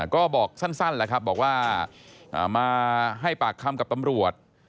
ก็บอกสั้นแหละครับบอกว่ามาให้ปากคำกับตำรวจ